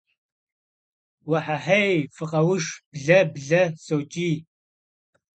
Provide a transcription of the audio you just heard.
- Уэхьэхьей! Фыкъэуш! Блэ! Блэ! - сокӀий.